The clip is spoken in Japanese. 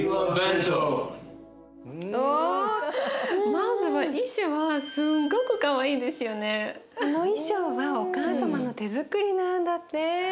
まずはこの衣装はお母様の手づくりなんだって。